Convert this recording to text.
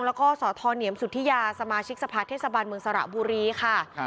แล้วก็สธเหนียมสุธิยาสมาชิกสภาเทศบาลเมืองสระบุรีค่ะ